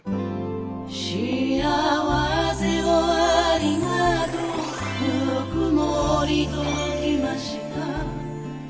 「幸せをありがとうぬくもり届きました」